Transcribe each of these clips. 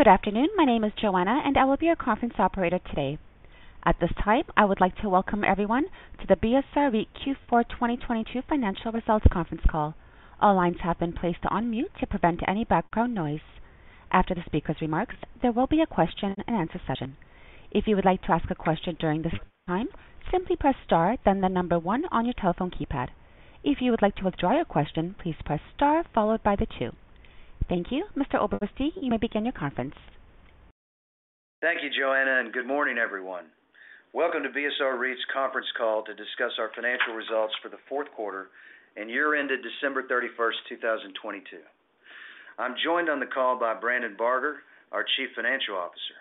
Good afternoon. My name is Joanna, and I will be your conference operator today. At this time, I would like to welcome everyone to the BSR REIT Q4 2022 Financial Results Conference Call. All lines have been placed on mute to prevent any background noise. After the speaker's remarks, there will be a question-and-answer session. If you would like to ask a question during this time, simply press star, then the number one on your telephone keypad. If you would like to withdraw your question, please press star followed by the two. Thank you. Mr. Oberste, you may begin your conference. Thank you, Joanna. Good morning, everyone. Welcome to BSR REIT's conference call to discuss our financial results for the fourth quarter and year ended 31st December 2022. I'm joined on the call by Brandon Barger, our Chief Financial Officer.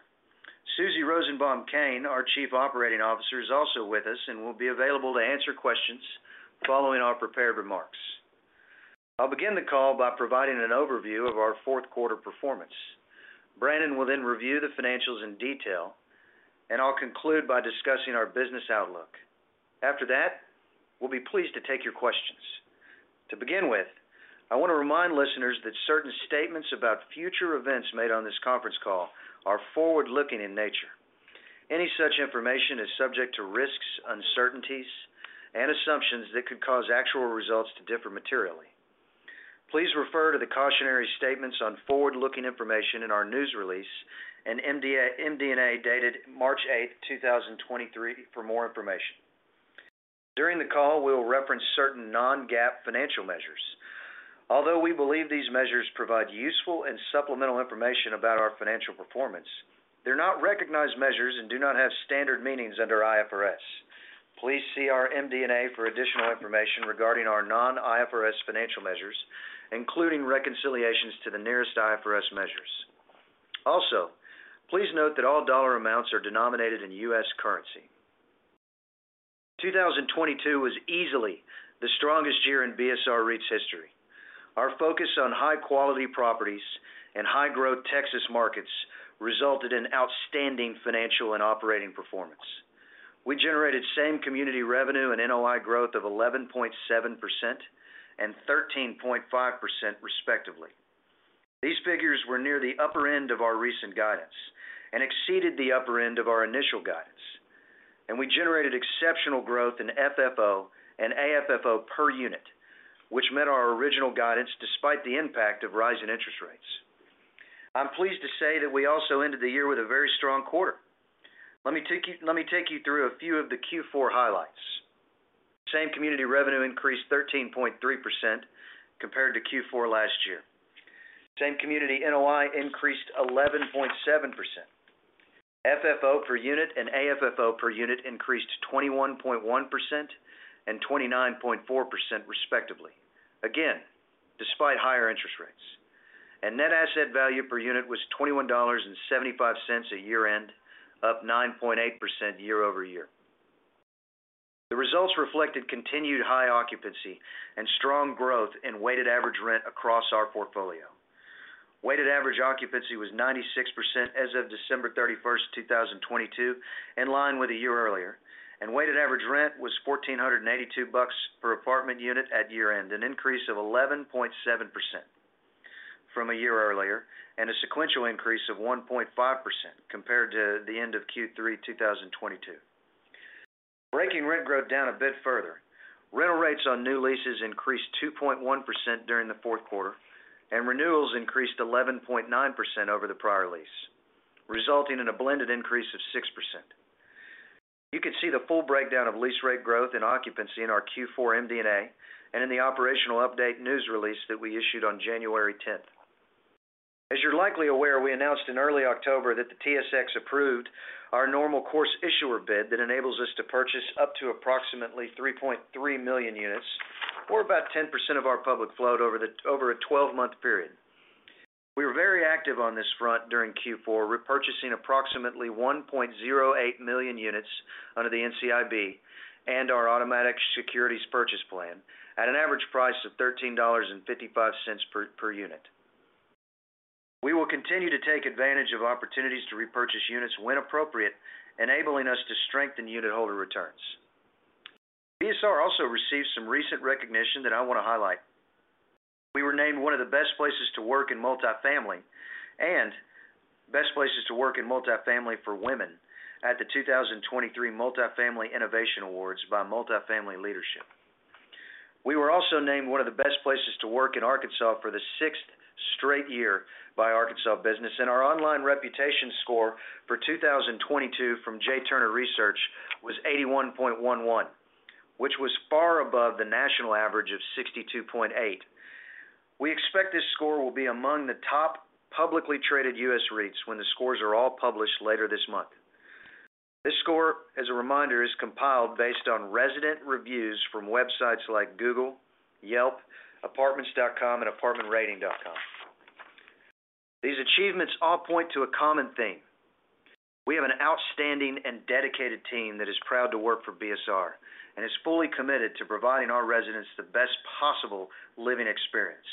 Susie Rosenbaum Koehn, our Chief Operating Officer, is also with us and will be available to answer questions following our prepared remarks. I'll begin the call by providing an overview of our fourth quarter performance. Brandon will then review the financials in detail, and I'll conclude by discussing our business outlook. After that, we'll be pleased to take your questions. To begin with, I want to remind listeners that certain statements about future events made on this conference call are forward-looking in nature. Any such information is subject to risks, uncertainties, and assumptions that could cause actual results to differ materially. Please refer to the cautionary statements on forward-looking information in our news release and MD&A dated 8 March 2023 for more information. During the call, we will reference certain non-GAAP financial measures. Although we believe these measures provide useful and supplemental information about our financial performance, they're not recognized measures and do not have standard meanings under IFRS. Please see our MD&A for additional information regarding our non-IFRS financial measures, including reconciliations to the nearest IFRS measures. Also, please note that all dollar amounts are denominated in U.S. currency. 2022 was easily the strongest year in BSR REIT's history. Our focus on high-quality properties and high-growth Texas markets resulted in outstanding financial and operating performance. We generated Same Community revenue and NOI growth of 11.7% and 13.5%, respectively. These figures were near the upper end of our recent guidance and exceeded the upper end of our initial guidance. We generated exceptional growth in FFO and AFFO per unit, which met our original guidance despite the impact of rising interest rates. I'm pleased to say that we also ended the year with a very strong quarter. Let me take you through a few of the Q4 highlights. Same Community revenue increased 13.3% compared to Q4 last year. Same Community NOI increased 11.7%. FFO per unit and AFFO per unit increased 21.1% and 29.4%, respectively. Again, despite higher interest rates. Net asset value per unit was $21.75 a year-end, up 9.8% year-over-year. The results reflected continued high occupancy and strong growth in weighted average rent across our portfolio. Weighted average occupancy was 96% as of December 31, 2022, in line with a year earlier, and weighted average rent was $1,482 per apartment unit at year-end, an increase of 11.7% from a year earlier and a sequential increase of 1.5% compared to the end of Q3 2022. Breaking rent growth down a bit further, rental rates on new leases increased 2.1% during the fourth quarter, and renewals increased 11.9% over the prior lease, resulting in a blended increase of 6%. You can see the full breakdown of lease rate growth and occupancy in our Q4 MD&A and in the operational update news release that we issued on January 10. As you're likely aware, we announced in early October that the TSX approved our normal course issuer bid that enables us to purchase up to approximately 3.3 million units or about 10% of our public float over a 12 months period. We were very active on this front during Q4, repurchasing approximately 1.08 million units under the NCIB and our Automatic Securities Purchase Plan at an average price of $13.55 per unit. We will continue to take advantage of opportunities to repurchase units when appropriate, enabling us to strengthen unitholder returns. BSR also received some recent recognition that I want to highlight. We were named one of the best places to work in multifamily and best places to work in multifamily for women at the 2023 Multifamily Innovation Awards by Multifamily Leadership. We were also named one of the best places to work in Arkansas for the six straight year by Arkansas Business, and our online reputation score for 2022 from J Turner Research was 81.11, which was far above the national average of 62.8. We expect this score will be among the top publicly traded U.S. REITs when the scores are all published later this month. This score, as a reminder, is compiled based on resident reviews from websites like Google, Yelp, Apartments.com, and ApartmentRatings.com. These achievements all point to a common theme. We have an outstanding and dedicated team that is proud to work for BSR and is fully committed to providing our residents the best possible living experience.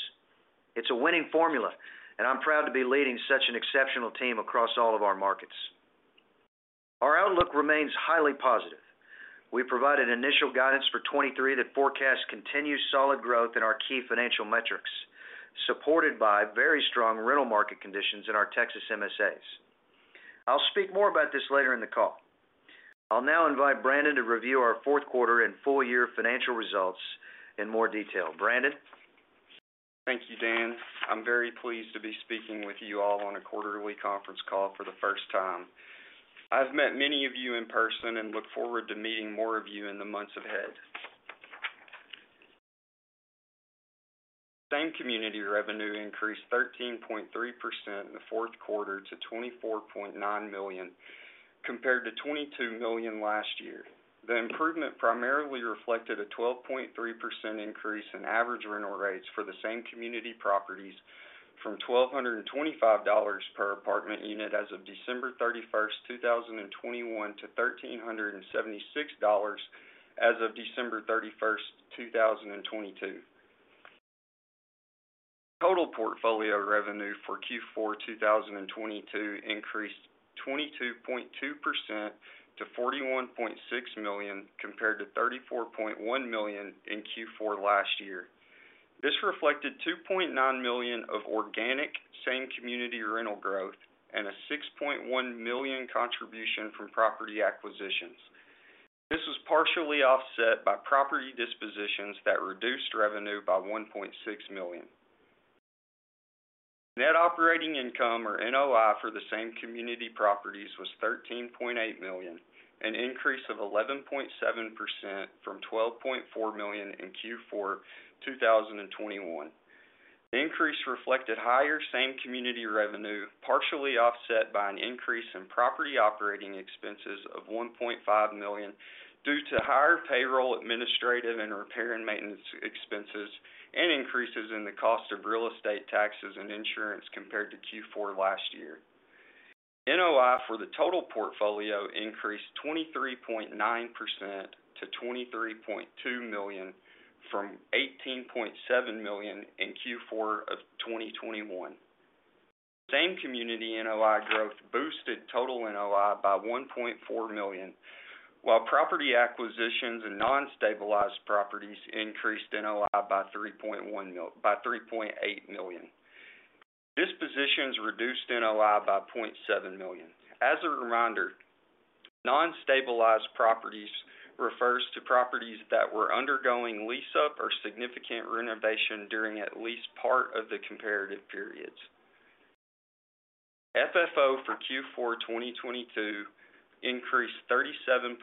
It's a winning formula, and I'm proud to be leading such an exceptional team across all of our markets. Our outlook remains highly positive. We provided initial guidance for 2023 that forecasts continued solid growth in our key financial metrics, supported by very strong rental market conditions in our Texas MSAs. I'll speak more about this later in the call. I'll now invite Brandon to review our fourth quarter and full year financial results in more detail. Brandon. Thank you, Dan. I'm very pleased to be speaking with you all on a quarterly conference call for the first time. I've met many of you in person and look forward to meeting more of you in the months ahead. Same Community revenue increased 13.3% in the fourth quarter to $24.9 million, compared to $22 million last year. The improvement primarily reflected a 12.3% increase in average rental rates for the Same Community properties from $1,225 per apartment unit as of 31st December 2021 to $1,376 as of 31st December 2022. Total portfolio revenue for Q4, 2022 increased 22.2% to $41.6 million compared to $34.1 million in Q4 last year. This reflected $2.9 million of organic Same Community rental growth and a $6.1 million contribution from property acquisitions. This was partially offset by property dispositions that reduced revenue by $1.6 million. Net Operating Income, or NOI, for the Same Community properties was $13.8 million, an increase of 11.7% from $12.4 million in Q4 2021. The increase reflected higher Same Community revenue, partially offset by an increase in property Operating Expenses of $1.5 million due to higher payroll, administrative, and repair and maintenance expenses and increases in the cost of real estate taxes and insurance compared to Q4 last year. NOI for the total portfolio increased 23.9% to $23.2 million from $18.7 million in Q4 2021. Same-community NOI growth boosted total NOI by $1.4 million, while property acquisitions and non-stabilized properties increased NOI by $3.8 million. Dispositions reduced NOI by $0.7 million. As a reminder, non-stabilized properties refers to properties that were undergoing lease-up or significant renovation during at least part of the comparative periods. FFO for Q4 2022 increased 37.6%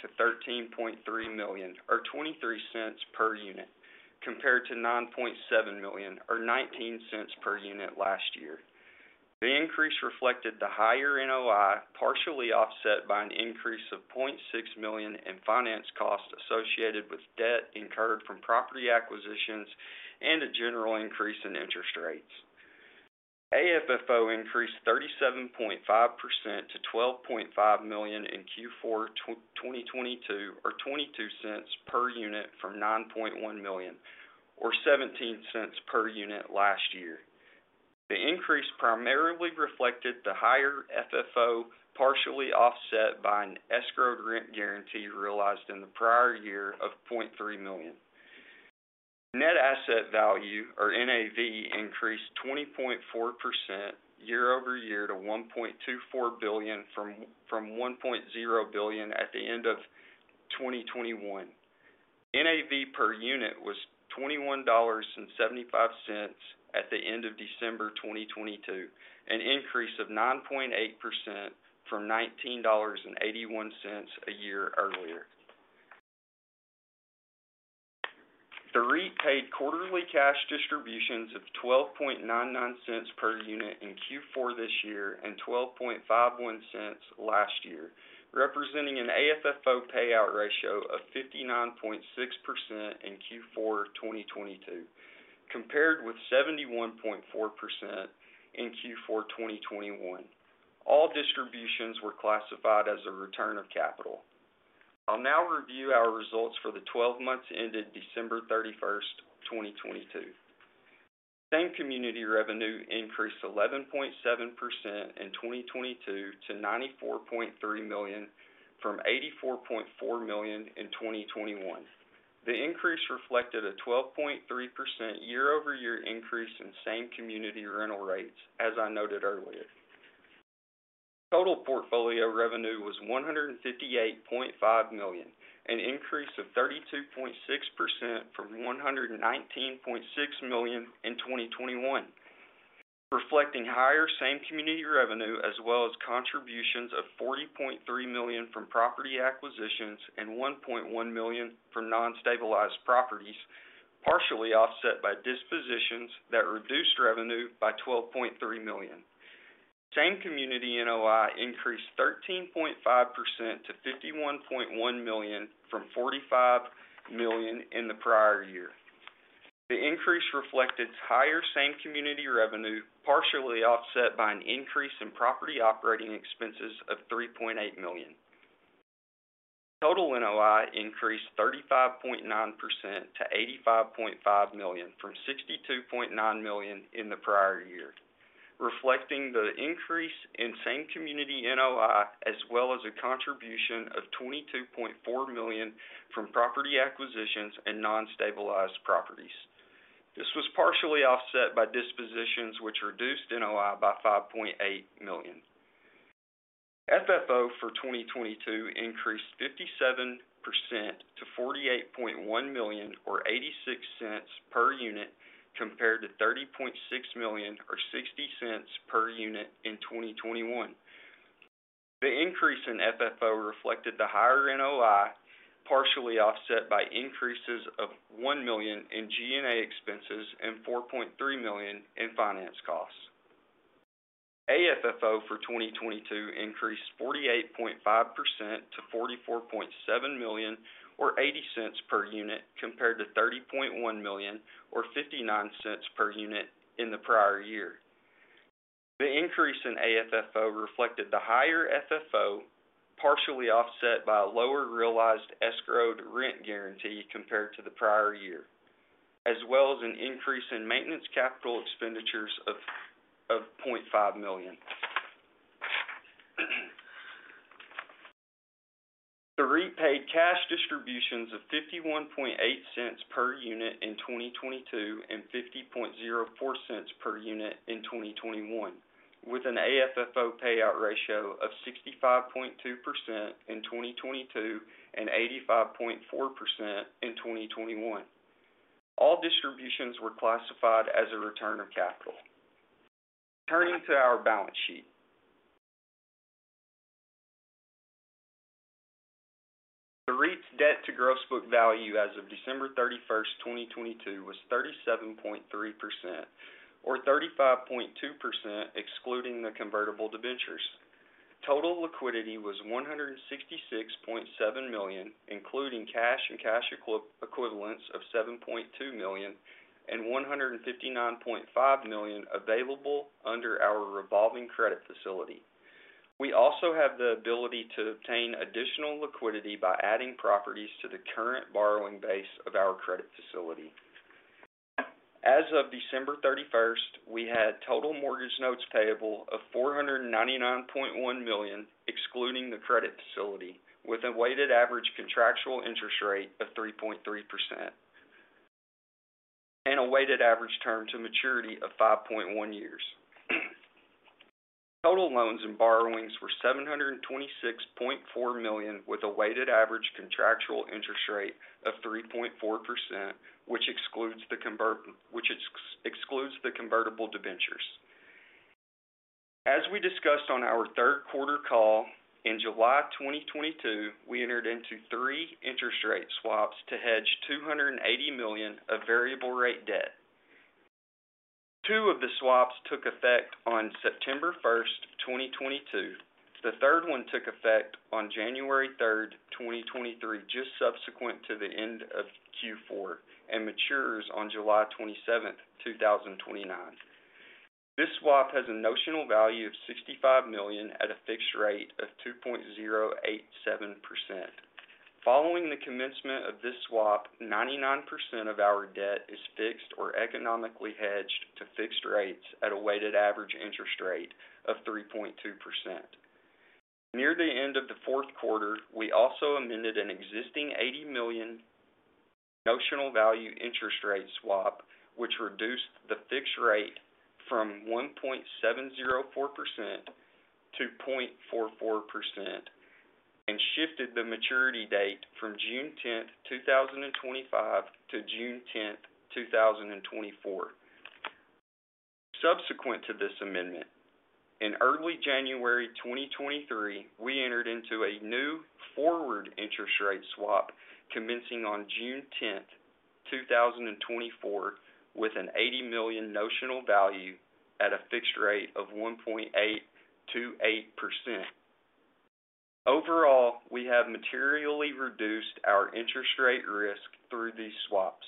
to $13.3 million or $0.23 per unit, compared to $9.7 million or $0.19 per unit last year. The increase reflected the higher NOI, partially offset by an increase of $0.6 million in finance cost associated with debt incurred from property acquisitions and a general increase in interest rates. AFFO increased 37.5% to $12.5 million in Q4 2022 or $0.22 per unit from $9.1 million or $0.17 per unit last year. The increase primarily reflected the higher FFO, partially offset by an escrowed rent guarantee realized in the prior year of $0.3 million. Net asset value, or NAV, increased 20.4% year-over-year to $1.24 billion from $1.0 billion at the end of 2021. NAV per unit was $21.75 at the end of December 2022, an increase of 9.8% from $19.81 a year earlier. The REIT paid quarterly cash distributions of $0.1299 per unit in Q4 this year and $0.1251 last year, representing an AFFO payout ratio of 59.6% in Q4 2022, compared with 71.4% in Q4 2021. All distributions were classified as a return of capital. I'll now review our results for the 12 months ended 31st December 2022. Same Community revenue increased 11.7% in 2022 to $94.3 million from $84.4 million in 2021. The increase reflected a 12.3% year-over-year increase in Same Community rental rates, as I noted earlier. Total portfolio revenue was $158.5 million, an increase of 32.6% from $119.6 million in 2021, reflecting higher Same Community revenue, as well as contributions of $40.3 million from property acquisitions and $1.1 million from non-stabilized properties, partially offset by dispositions that reduced revenue by $12.3 million. Same Community NOI increased 13.5% to $51.1 million from $45 million in the prior year. The increase reflected higher Same Community revenue, partially offset by an increase in property operating expenses of $3.8 million. Total NOI increased 35.9% to $85.5 million from $62.9 million in the prior year, reflecting the increase in Same Community NOI as well as a contribution of $22.4 million from property acquisitions and non-stabilized properties. This was partially offset by dispositions which reduced NOI by $5.8 million. FFO for 2022 increased 57% to $48.1 million or $0.86 per unit, compared to $30.6 million or $0.60 per unit in 2021. The increase in FFO reflected the higher NOI, partially offset by increases of $1 million in G&A expenses and $4.3 million in finance costs. AFFO for 2022 increased 48.5% to $44.7 million or $0.80 per unit, compared to $30.1 million or $0.59 per unit in the prior year. The increase in AFFO reflected the higher FFO, partially offset by a lower realized escrowed rent guarantee compared to the prior year, as well as an increase in maintenance capital expenditures of $0.5 million. The REIT paid cash distributions of $0.518 per unit in 2022 and $0.5004 per unit in 2021, with an AFFO payout ratio of 65.2% in 2022 and 85.4% in 2021. All distributions were classified as a return of capital. Turning to our balance sheet. The REIT's debt to gross book value as of 31st December 2022 was 37.3% or 35.2% excluding the convertible debentures. Total liquidity was $166.7 million, including cash and cash equivalents of $7.2 million and $159.5 million available under our revolving credit facility. We also have the ability to obtain additional liquidity by adding properties to the current borrowing base of our credit facility. As of 31st December we had total mortgage notes payable of $499.1 million, excluding the credit facility, with a weighted average contractual interest rate of 3.3% and a weighted average term to maturity of 5.1 years. Total loans and borrowings were $726.4 million, with a weighted average contractual interest rate of 3.4%, which excludes the convertible debentures. As we discussed on our third quarter call, in July 2022, we entered into three interest rate swaps to hedge $280 million of variable rate debt. Two of the swaps took effect on September 1st, 2022. The third one took effect on 3rd January 2023, just subsequent to the end of Q4, and matures on 27th July 2029. This swap has a notional value of $65 million at a fixed rate of 2.087%. Following the commencement of this swap, 99% of our debt is fixed or economically hedged to fixed rates at a weighted average interest rate of 3.2%. Near the end of the fourth quarter, we also amended an existing $80 million notional value interest rate swap, which reduced the fixed rate from 1.704% to 0.44% and shifted the maturity date from 10 June 2025 to 10 June 2024. Subsequent to this amendment, in early January 2023, we entered into a new forward-starting interest rate swap commencing on 10 June 2024, with an $80 million notional value at a fixed rate of 1.828%. Overall, we have materially reduced our interest rate risk through these swaps.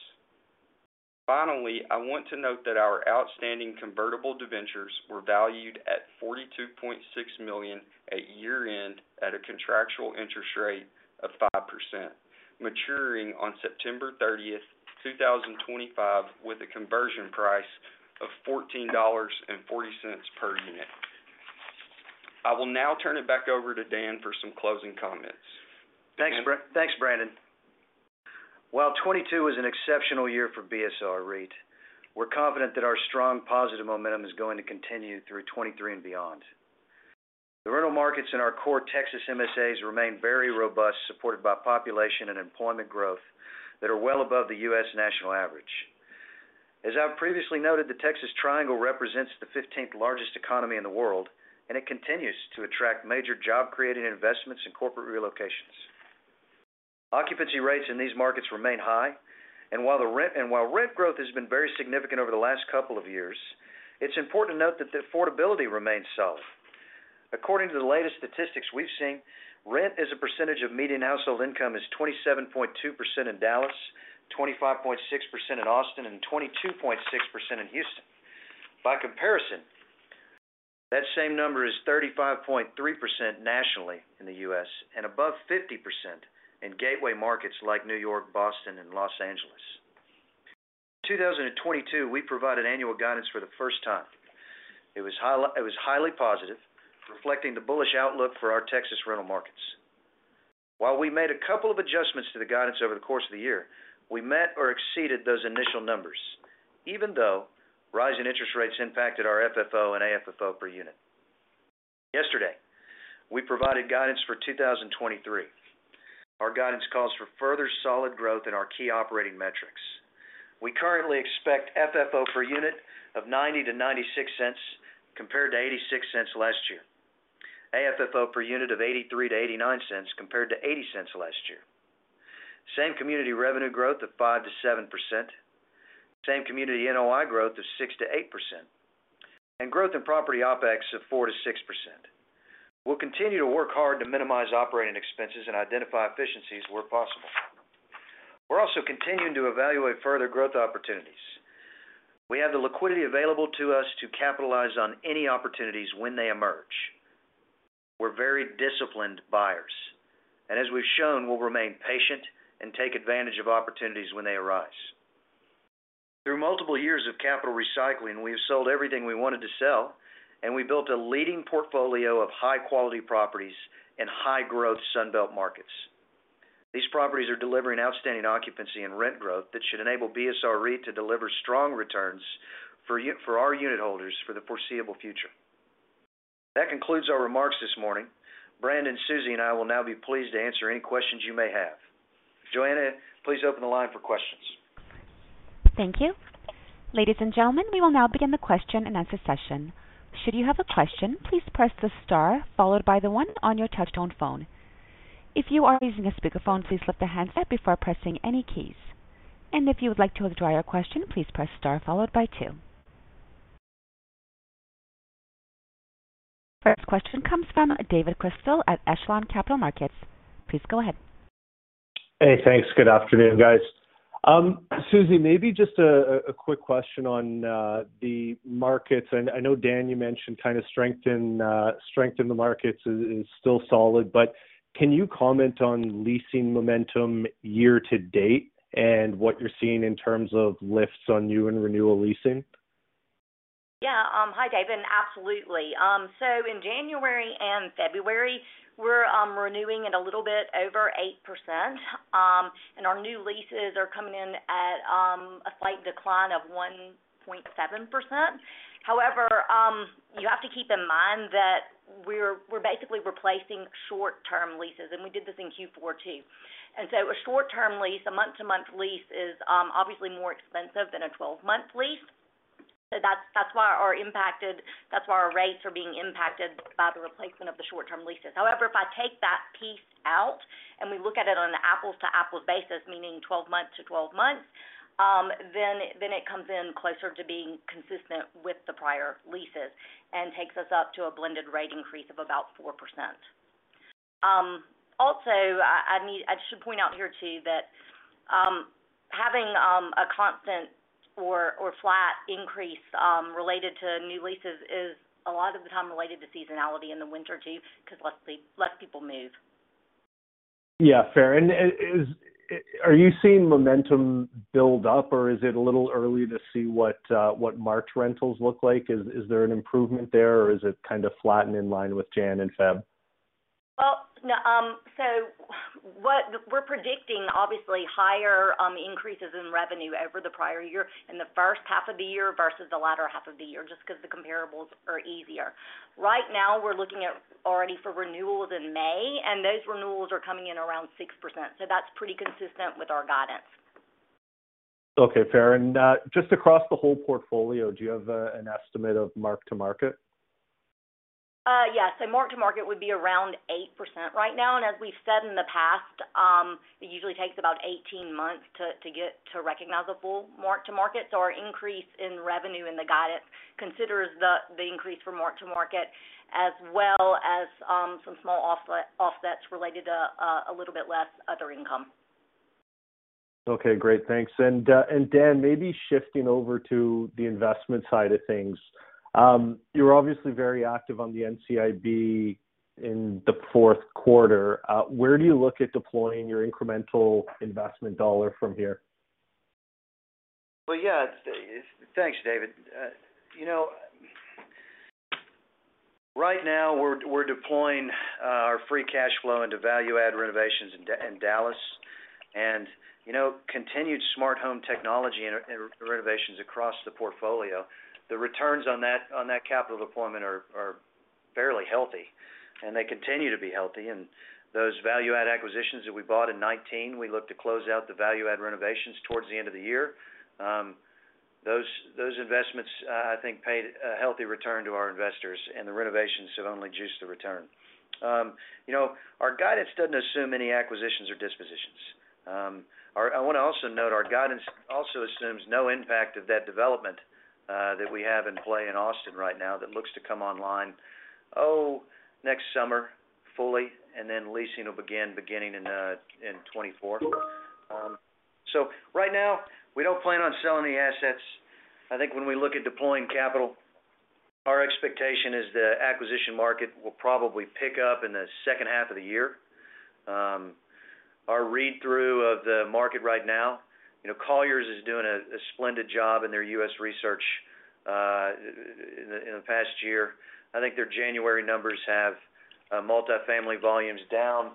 Finally, I want to note that our outstanding convertible debentures were valued at $42.6 million at year-end at a contractual interest rate of 5%, maturing on September 30, 2025, with a conversion price of $14.40 per unit. I will now turn it back over to Dan for some closing comments. Thanks, Brandon. While 2022 was an exceptional year for BSR REIT, we're confident that our strong positive momentum is going to continue through 2023 and beyond. The rental markets in our core Texas MSAs remain very robust, supported by population and employment growth that are well above the U.S. national average. As I've previously noted, the Texas Triangle represents the 15th largest economy in the world, and it continues to attract major job-creating investments and corporate relocations. Occupancy rates in these markets remain high, and while rent growth has been very significant over the last couple of years, it's important to note that the affordability remains solid. According to the latest statistics we've seen, rent as a percentage of median household income is 27.2% in Dallas, 25.6% in Austin, and 22.6% in Houston. By comparison, that same number is 35.3% nationally in the U.S., and above 50% in gateway markets like New York, Boston, and Los Angeles. In 2022, we provided annual guidance for the first time. It was highly positive, reflecting the bullish outlook for our Texas rental markets. While we made a couple of adjustments to the guidance over the course of the year, we met or exceeded those initial numbers, even though rising interest rates impacted our FFO and AFFO per unit. Yesterday, we provided guidance for 2023. Our guidance calls for further solid growth in our key operating metrics. We currently expect FFO per unit of $0.90-$0.96 compared to $0.86 last year. AFFO per unit of $0.83-$0.89 compared to $0.80 last year. Same Community revenue growth of 5%-7%, Same Community NOI growth of 6%-8%, growth in property OpEx of 4%-6%. We'll continue to work hard to minimize operating expenses and identify efficiencies where possible. We're also continuing to evaluate further growth opportunities. We have the liquidity available to us to capitalize on any opportunities when they emerge. We're very disciplined buyers, as we've shown, we'll remain patient and take advantage of opportunities when they arise. Through multiple years of capital recycling, we have sold everything we wanted to sell, we built a leading portfolio of high-quality properties in high-growth Sun Belt markets. These properties are delivering outstanding occupancy and rent growth that should enable BSR REIT to deliver strong returns for our unit holders for the foreseeable future. That concludes our remarks this morning. Brandon, Susie, and I will now be pleased to answer any questions you may have. Joanna, please open the line for questions. Thank you. Ladies and gentlemen, we will now begin the question-and-answer session. Should you have a question, please press the star followed by the one on your touch-tone phone. If you are using a speakerphone, please lift the handset before pressing any keys. If you would like to withdraw your question, please press star followed by two. First question comes from David Chrystal at Echelon Capital Markets. Please go ahead. Hey, thanks. Good afternoon, guys. Susie, maybe just a quick question on the markets. I know, Dan, you mentioned kind of strength in the markets is still solid, but can you comment on leasing momentum year-to-date and what you're seeing in terms of lifts on new and renewal leasing? Yeah. Hi, David. Absolutely. In January and February, we're renewing at a little bit over 8%, and our new leases are coming in at a slight decline of 1.7%. However, you have to keep in mind that we're basically replacing short-term leases, and we did this in Q4 too. A short-term lease, a month-to-month lease is obviously more expensive than a 12-month lease. That's why our rates are being impacted by the replacement of the short-term leases. However, if I take that piece out and we look at it on an apples-to-apples basis, meaning 12 months to 12 months, then it comes in closer to being consistent with the prior leases and takes us up to a blended rate increase of about 4%. I should point out here too that having a constant or flat increase related to new leases is a lot of the time related to seasonality in the winter too 'cause less people move. Yeah, fair. Are you seeing momentum build up, or is it a little early to see what March rentals look like? Is there an improvement there, or is it kind of flat and in line with January and February? Well, no. We're predicting obviously higher increases in revenue over the prior year in the first half of the year versus the latter half of the year just 'cause the comparables are easier. Right now, we're looking at already for renewals in May, and those renewals are coming in around 6%, so that's pretty consistent with our guidance. Okay. Fair. Just across the whole portfolio, do you have an estimate of mark-to-market? Yes. Mark-to-market would be around 8% right now. As we've said in the past, it usually takes about 18 months to get to recognizable mark-to-market. Our increase in revenue in the guidance considers the increase for mark-to-market as well as, some small offsets related to a little bit less other income. Okay. Great. Thanks. Dan, maybe shifting over to the investment side of things. You're obviously very active on the NCIB in the fourth quarter. Where do you look at deploying your incremental investment $ from here? Well, yeah. Thanks, David. you know, right now we're deploying our free cash flow into value add renovations in Dallas and, you know, continued smart home technology and renovations across the portfolio. The returns on that capital deployment are fairly healthy and they continue to be healthy. Those value add acquisitions that we bought in 2019, we look to close out the value add renovations towards the end of the year. Those investments, I think paid a healthy return to our investors and the renovations have only juiced the return. you know, our guidance doesn't assume any acquisitions or dispositions. I want to also note our guidance also assumes no impact of that development that we have in play in Austin right now that looks to come online next summer fully, and then leasing will begin in 2024. Right now, we don't plan on selling the assets. I think when we look at deploying capital, our expectation is the acquisition market will probably pick up in the second half of the year. Our read-through of the market right now, you know, Colliers is doing a splendid job in their U.S. research in the past year. I think their January numbers have multifamily volumes down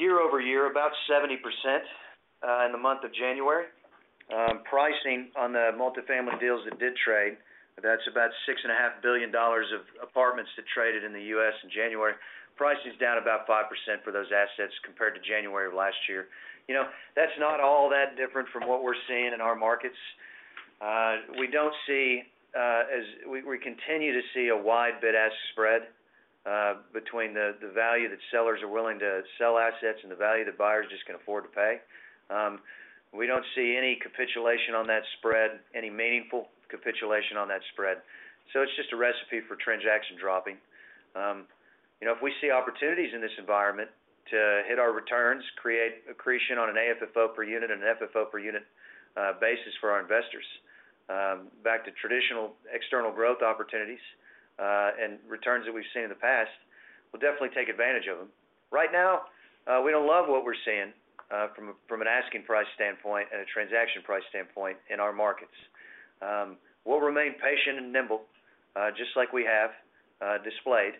year-over-year, about 70% in the month of January. Pricing on the multifamily deals that did trade, that's about $6.5 billion of apartments that traded in the U.S. in January. Pricing is down about 5% for those assets compared to January of last year. You know, that's not all that different from what we're seeing in our markets. We don't see. We continue to see a wide bid-ask spread between the value that sellers are willing to sell assets and the value that buyers just can afford to pay. We don't see any capitulation on that spread, any meaningful capitulation on that spread. It's just a recipe for transaction dropping. you know, if we see opportunities in this environment to hit our returns, create accretion on an AFFO per unit and an FFO per unit basis for our investors, back to traditional external growth opportunities, and returns that we've seen in the past, we'll definitely take advantage of them. Right now, we don't love what we're seeing from an asking-price standpoint and a transaction-price standpoint in our markets. We'll remain patient and nimble, just like we have displayed.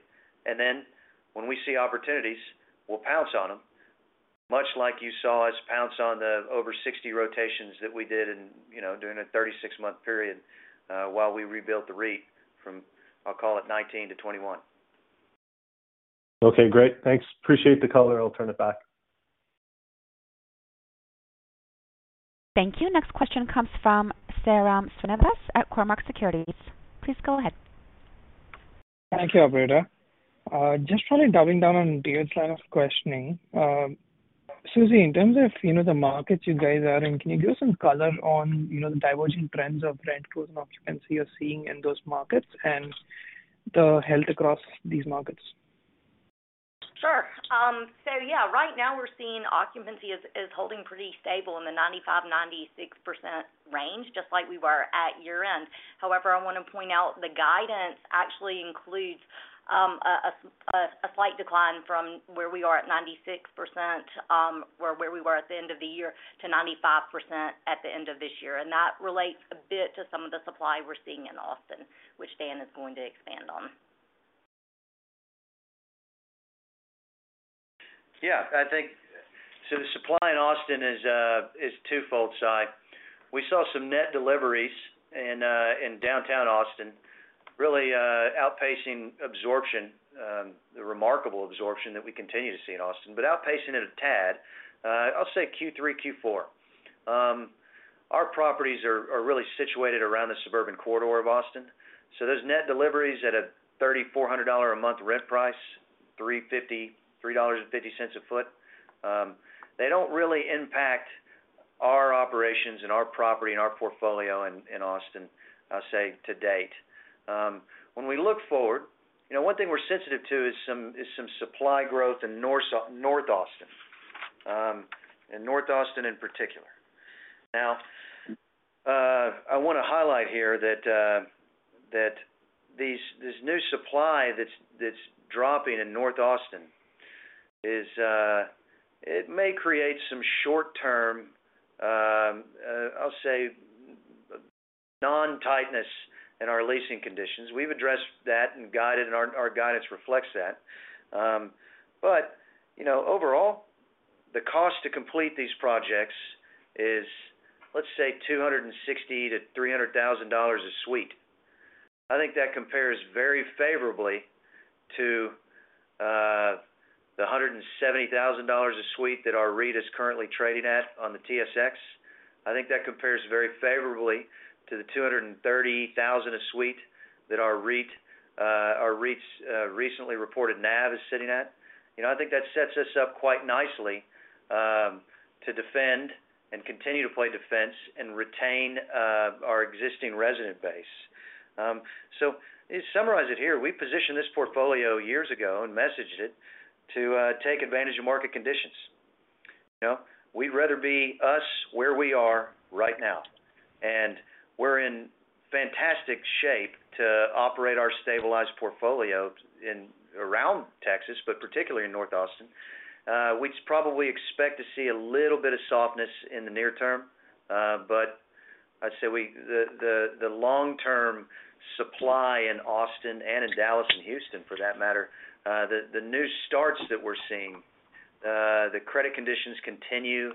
When we see opportunities, we'll pounce on them, much like you saw us pounce on the over 60 rotations that we did during the 36-month period, while we rebuilt the REIT from, I'll call it 19 to 21. Okay, great. Thanks. Appreciate the color. I'll turn it back. Thank you. Next question comes from Sairam Srinivas at Cormark Securities. Please go ahead. Thank you, Operator. Just probably doubling down on David's line of questioning. Susie, in terms of, you know, the markets you guys are in, can you give some color on, you know, the diverging trends of rent growth and occupancy you're seeing in those markets and the health across these markets? Sure. Right now we're seeing occupancy is holding pretty stable in the 95%-96% range, just like we were at year-end. However, I want to point out the guidance actually includes a slight decline from where we are at 96%, or where we were at the end of the year to 95% at the end of this year. That relates a bit to some of the supply we're seeing in Austin, which Dan is going to expand on. I think the supply in Austin is twofold, Sai. We saw some net deliveries in downtown Austin, really outpacing absorption, the remarkable absorption that we continue to see in Austin, but outpacing it a tad, I'll say Q3, Q4. Our properties are really situated around the suburban corridor of Austin. Those net deliveries at a $3,400 a month rent price, $3.50 a foot, they don't really impact our operations and our property and our portfolio in Austin, I'll say to date. When we look forward, you know, one thing we're sensitive to is some supply growth in North Austin, in North Austin in particular. Now, I want to highlight here that this new supply that's dropping in North Austin is, it may create some short-term, I'll say non-tightness in our leasing conditions. We've addressed that and guided, and our guidance reflects that. You know, overall, the cost to complete these projects is, let's say $260,000-$300,000 a suite. I think that compares very favorably to the $170,000 a suite that our REIT is currently trading at on the TSX. I think that compares very favorably to the $230,000 a suite that our REIT's recently reported NAV is sitting at. You know, I think that sets us up quite nicely, to defend and continue to play defense and retain, our existing resident base. To summarize it here, we positioned this portfolio years ago and messaged it to, take advantage of market conditions. You know, we'd rather be us where we are right now, and we're in fantastic shape to operate our stabilized portfolio in, around Texas, but particularly in North Austin. We'd probably expect to see a little bit of softness in the near term. I'd say we the long-term supply in Austin and in Dallas and Houston, for that matter, the new starts that we're seeing, the credit conditions continue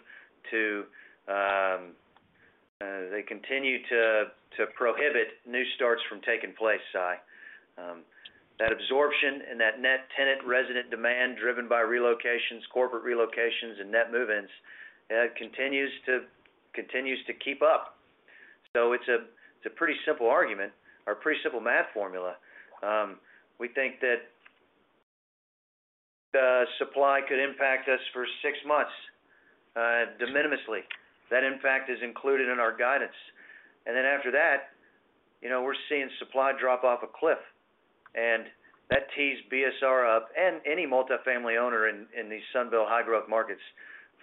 to, they continue to prohibit new starts from taking place, Sai. That absorption and that net tenant resident demand driven by relocations, corporate relocations, and net move-ins, continues to keep up. It's a pretty simple argument or pretty simple math formula. We think that Supply could impact us for six months, de minimis. That in fact is included in our guidance. After that, you know, we're seeing supply drop off a cliff. That tees BSR up and any multifamily owner in these Sunbelt high-growth markets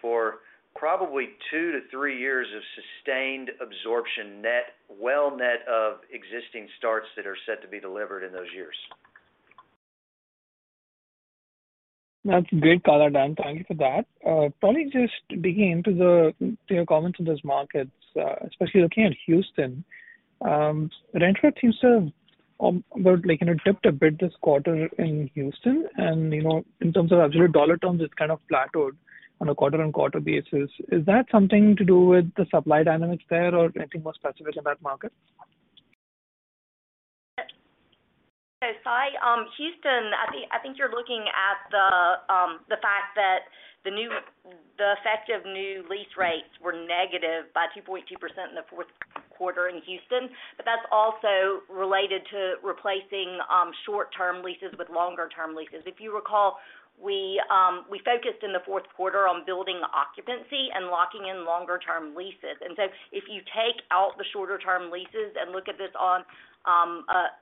for probably two to three years of sustained absorption net, well net of existing starts that are set to be delivered in those years. That's great color, Dan. Thank you for that. probably just digging into your comments on those markets, especially looking at Houston. rent growth seems to have, like, you know, dipped a bit this quarter in Houston and, you know, in terms of absolute dollar terms, it's kind of plateaued on a quarter-on-quarter basis. Is that something to do with the supply dynamics there or anything more specific in that market? Sai, I think, I think you're looking at the fact that the effect of new lease rates were negative by 2.2% in the fourth quarter in Houston. That's also related to replacing short-term leases with longer-term leases. If you recall, we focused in the fourth quarter on building occupancy and locking in longer-term leases. If you take out the shorter-term leases and look at this on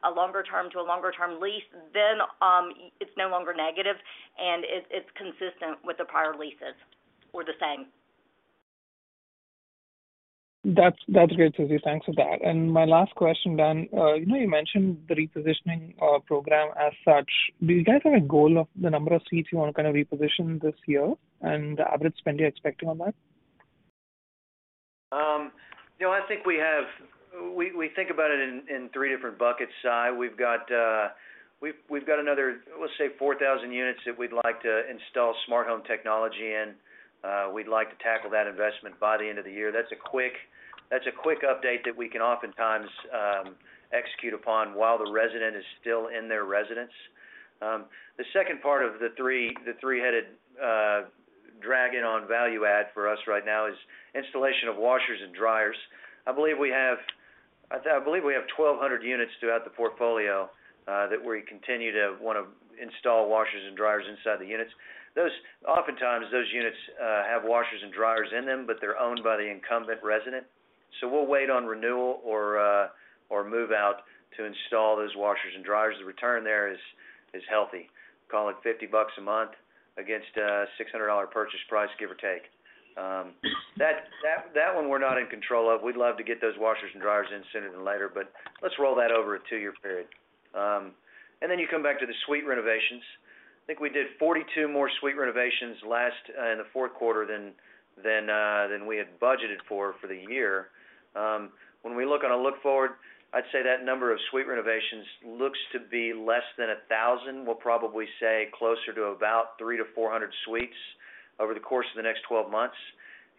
a longer term to a longer term lease, then it's no longer negative, and it's consistent with the prior leases or the same. That's great, Susie. Thanks for that. My last question, Dan, you know you mentioned the repositioning program as such. Do you guys have a goal of the number of suites you wanna kind of reposition this year and the average spend you're expecting on that? you know, I think We think about it in three different buckets, Sai. We've got another, let's say 4,000 units that we'd like to install smart home technology in. We'd like to tackle that investment by the end of the year. That's a quick update that we can oftentimes execute upon while the resident is still in their residence. The second part of the three, the three-headed dragon on value add for us right now is installation of washers and dryers. I believe we have 1,200 units throughout the portfolio that we continue to wanna install washers and dryers inside the units. Those. Oftentimes those units have washers and dryers in them, they're owned by the incumbent resident, we'll wait on renewal or move out to install those washers and dryers. The return there is healthy. Call it $50 a month against a $600 purchase price, give or take. That one we're not in control of. We'd love to get those washers and dryers in sooner than later, let's roll that over a two years period. You come back to the suite renovations. I think we did 42 more suite renovations last in the fourth quarter than we had budgeted for for the year. When we look on a look forward, I'd say that number of suite renovations looks to be less than 1,000. We'll probably say closer to about 300-400 suites over the course of the next 12 months,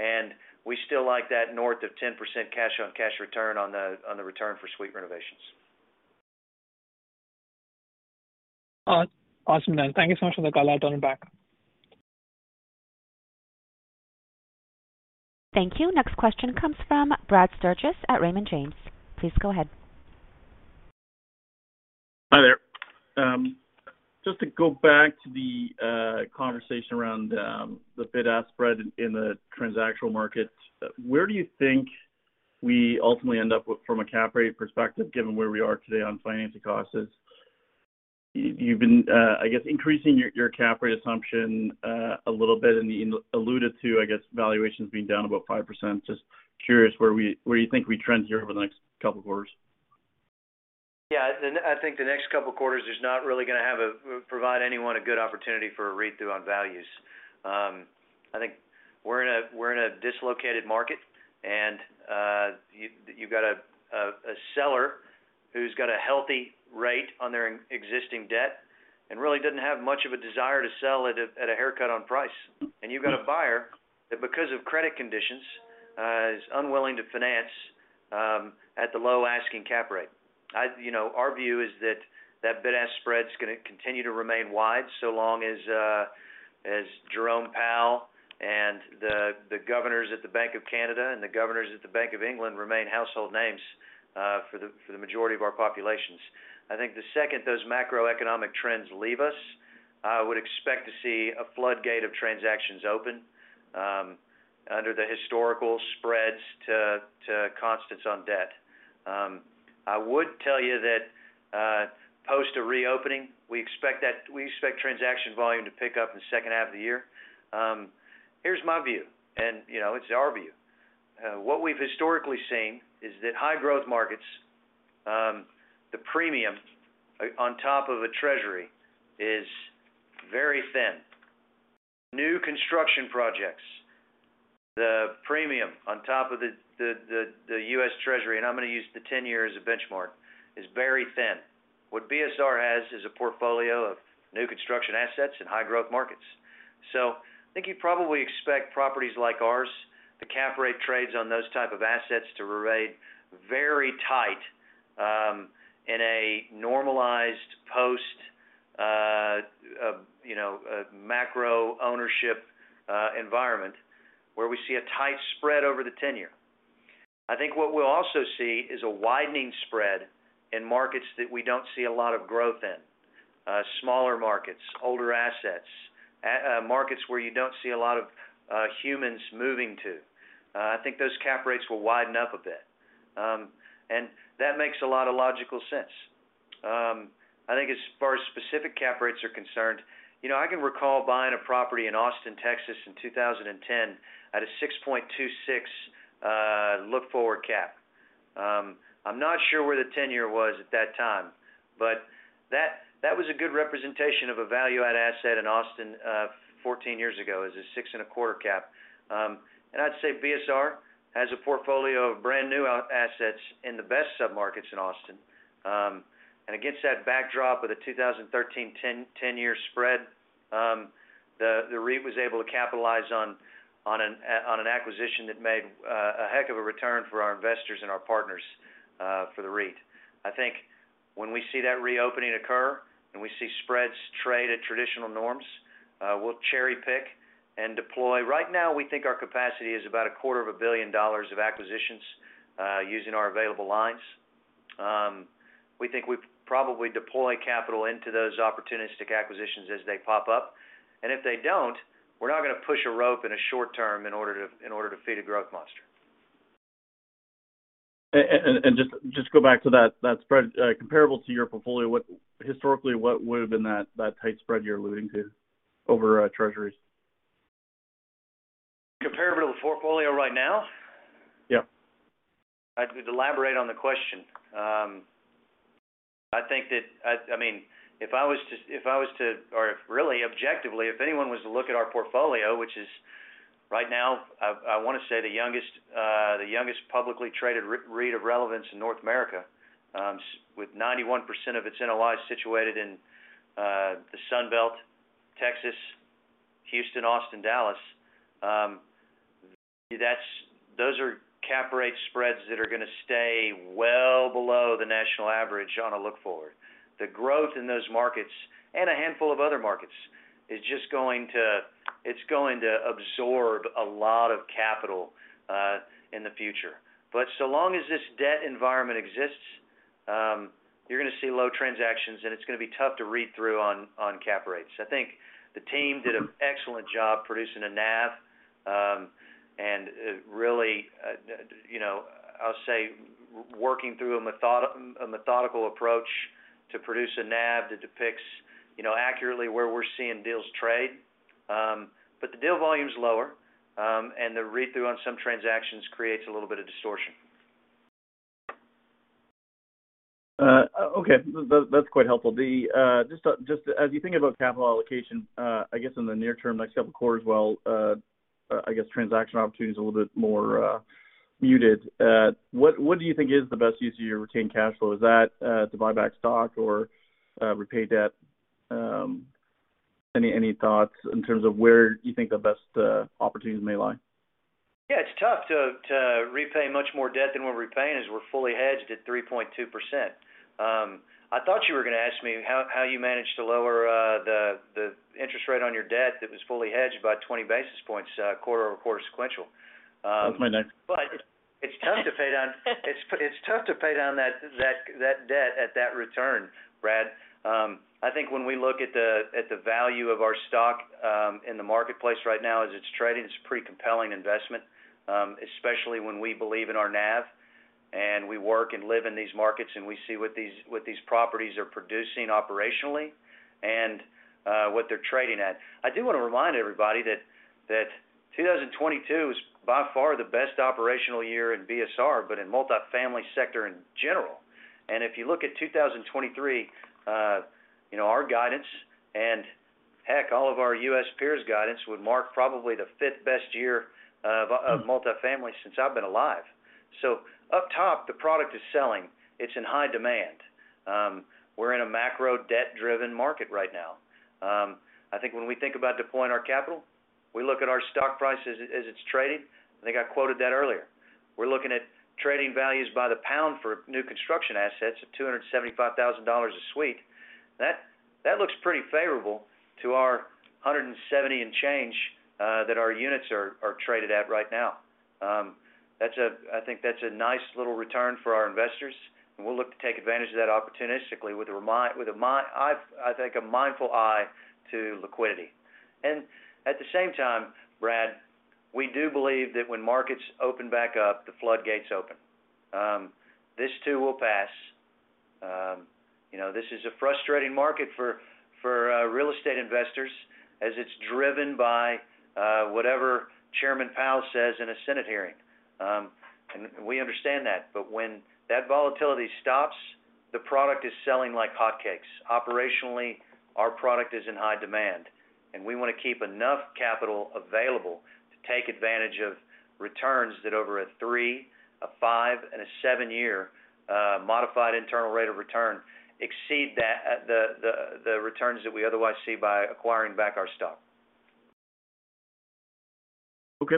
and we still like that north of 10% cash on cash return on the return for suite renovations. Awesome, Dan. Thank you so much for the color. I'll turn it back. Thank you. Next question comes from Brad Sturges at Raymond James. Please go ahead. Hi there. Just to go back to the conversation around the bid-ask spread in the transactional market, where do you think we ultimately end up with from a cap rate perspective, given where we are today on financing costs? You've been, I guess, increasing your cap rate assumption a little bit, and you alluded to, I guess, valuations being down about 5%. Just curious where you think we trend here over the next couple quarters. Yeah. I think the next couple quarters is not really gonna have a provide anyone a good opportunity for a read-through on values. I think we're in a dislocated market, and you've got a seller who's got a healthy rate on their existing debt and really doesn't have much of a desire to sell at a haircut on price. You've got a buyer that, because of credit conditions, is unwilling to finance at the low asking cap rate. You know, our view is that that bid-ask spread's gonna continue to remain wide so long as Jerome Powell and the governors at the Bank of Canada and the governors at the Bank of England remain household names for the majority of our populations. I think the second those macroeconomic trends leave us, I would expect to see a floodgate of transactions open, under the historical spreads to constants on debt. I would tell you that, post a reopening, we expect transaction volume to pick up in the second half of the year. Here's my view, and, you know, it's our view. What we've historically seen is that high-growth markets, the premium on top of a Treasury is very thin. New construction projects, the premium on top of the U.S. Treasury, and I'm gonna use the 10 years as a benchmark, is very thin. What BSR has is a portfolio of new construction assets in high-growth markets. I think you'd probably expect properties like ours, the cap rate trades on those type of assets to remain very tight, in a normalized post, you know, macro ownership environment where we see a tight spread over the tenure. What we'll also see is a widening spread in markets that we don't see a lot of growth in. Smaller markets, older assets, markets where you don't see a lot of humans moving to. I think those cap rates will widen up a bit. That makes a lot of logical sense. As far as specific cap rates are concerned, you know, I can recall buying a property in Austin, Texas in 2010 at a 6.26% look forward cap. I'm not sure where the tenure was at that time, but that was a good representation of a value add asset in Austin, 14 years ago, is a 6.25% cap. I'd say BSR has a portfolio of brand new assets in the best submarkets in Austin. Against that backdrop of the 2013 10 years spread, the REIT was able to capitalize on an acquisition that made a heck of a return for our investors and our partners for the REIT. I think when we see that reopening occur and we see spreads trade at traditional norms, we'll cherry-pick and deploy. Right now, we think our capacity is about a quarter of a billion dollars of acquisitions using our available lines. We think we probably deploy capital into those opportunistic acquisitions as they pop up, and if they don't, we're not gonna push a rope in a short term in order to feed a growth monster. Just go back to that spread, comparable to your portfolio, what historically, what would've been that tight spread you're alluding to over Treasuries? Comparable to the portfolio right now? Yeah. I'd elaborate on the question. I mean, if I was to or if really objectively, if anyone was to look at our portfolio, which is right now, I wanna say the youngest, the youngest publicly traded REIT of relevance in North America, with 91% of its NOI situated in the Sun Belt, Texas, Houston, Austin, Dallas, those are cap rate spreads that are gonna stay well below the national average on a look forward. The growth in those markets, and a handful of other markets, is just going to, it's going to absorb a lot of capital in the future. So long as this debt environment exists, you're gonna see low transactions, and it's gonna be tough to read through on cap rates. I think the team did an excellent job producing a NAV, and really, you know, I'll say working through a methodical approach to produce a NAV that depicts, you know, accurately where we're seeing deals trade. The deal volume's lower, and the read-through on some transactions creates a little bit of distortion. Okay. That's quite helpful. The just as you think about capital allocation, I guess in the near term, next couple of quarters while I guess transaction opportunity is a little bit more muted, what do you think is the best use of your retained cash flow? Is that to buy back stock or repay debt? Any thoughts in terms of where you think the best opportunities may lie? Yeah, it's tough to repay much more debt than we're repaying as we're fully hedged at 3.2%. I thought you were gonna ask me how you managed to lower the interest rate on your debt that was fully hedged by 20 basis points quarter-over-quarter sequential. That was my next question. It's tough to pay down, it's tough to pay down that debt at that return, Brad. I think when we look at the value of our stock in the marketplace right now as it's trading, it's pretty compelling investment, especially when we believe in our NAV, and we work and live in these markets, and we see what these properties are producing operationally and what they're trading at. I do wanna remind everybody that 2022 is by far the best operational year in BSR, but in multifamily sector in general. If you look at 2023, you know, our guidance and heck, all of our US peers' guidance would mark probably the fifth-best year of multifamily since I've been alive. Up top, the product is selling. It's in high demand. We're in a macro debt-driven market right now. I think when we think about deploying our capital, we look at our stock price as it's trading. I think I quoted that earlier. We're looking at trading values by the pound for new construction assets at $275,000 a suite. That looks pretty favorable to our $170 and change that our units are traded at right now. I think that's a nice little return for our investors, and we'll look to take advantage of that opportunistically with a mindful eye to liquidity. At the same time, Brad, we do believe that when markets open back up, the floodgates open. This too will pass. you know, this is a frustrating market for real estate investors as it's driven by whatever Chairman Powell says in a Senate hearing. We understand that. When that volatility stops, the product is selling like hotcakes. Operationally, our product is in high demand, and we wanna keep enough capital available to take advantage of returns that over a three, a five, and a seven years modified internal rate of return exceed that the returns that we otherwise see by acquiring back our stock. Okay.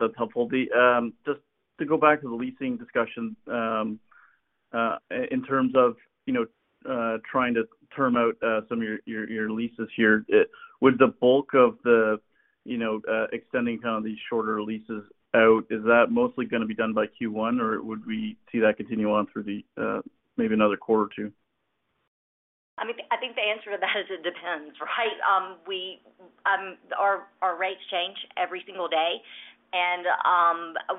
That's helpful. The, just to go back to the leasing discussion, in terms of, you know, trying to term out some of your leases here, would the bulk of the, you know, extending kind of these shorter leases out, is that mostly gonna be done by Q1, or would we see that continue on through the, maybe another quarter or two? I mean, I think the answer to that is it depends, right? We, our rates change every single day.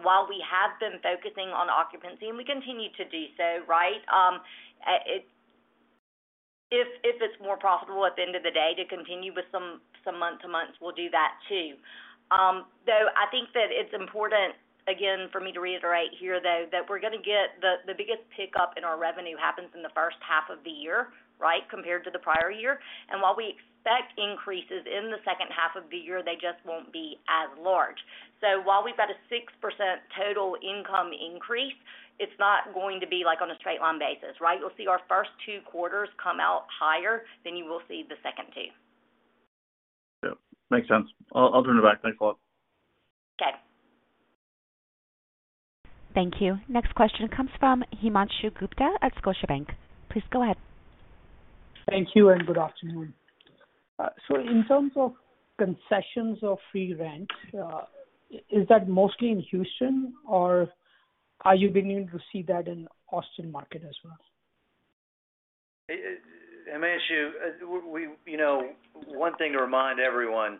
While we have been focusing on occupancy, and we continue to do so, right? If it's more profitable at the end of the day to continue with month to month, we'll do that too. I think that it's important, again, for me to reiterate here, though, that we're gonna get the biggest pickup in our revenue happens in the first half of the year, right? Compared to the prior year. While we expect increases in the second half of the year, they just won't be as large. While we've got a 6% total income increase, it's not going to be like on a straight line basis, right? You'll see our first two quarters come out higher than you will see the second two. Yeah, makes sense. I'll turn it back. Thanks, Susie. Okay. Thank you. Next question comes from Himanshu Gupta at Scotiabank. Please go ahead. Thank you, and good afternoon. In terms of concessions of free rent, is that mostly in Houston or are you beginning to see that in Austin market as well? Himanshu, you know, one thing to remind everyone,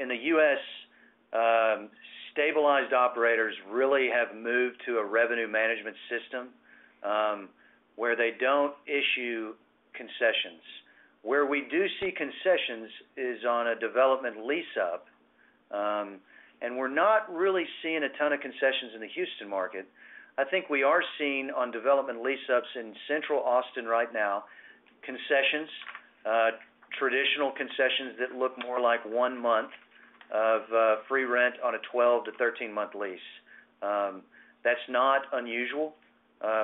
in the U.S., stabilized operators really have moved to a revenue management system, where they don't issue concessions. Where we do see concessions is on a development lease up. We're not really seeing a ton of concessions in the Houston market. I think we are seeing on development lease ups in central Austin right now, concessions, traditional concessions that look more like one month of free rent on a 12 to 13 months lease. That's not unusual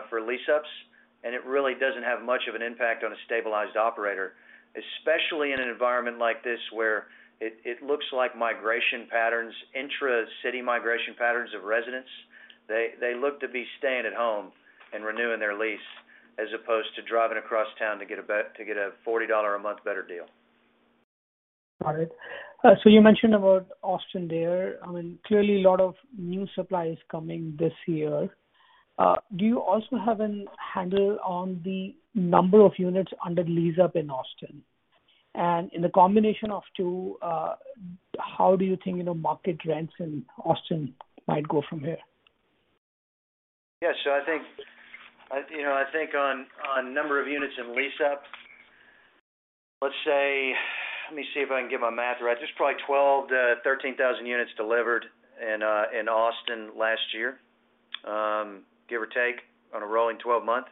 for lease ups, and it really doesn't have much of an impact on a stabilized operator, especially in an environment like this where it looks like migration patterns, intra-city migration patterns of residents. They look to be staying at home and renewing their lease as opposed to driving across town to get a $40 a month better deal. Got it. You mentioned about Austin there. I mean, clearly a lot of new supply is coming this year. Do you also have an handle on the number of units under lease up in Austin? In the combination of two, how do you think, you know, market rents in Austin might go from here? Yes. I think, you know, I think on number of units in lease-up, let's say. Let me see if I can get my math right. There's probably 12,000-13,000 units delivered in Austin last year, give or take on a rolling 12 months.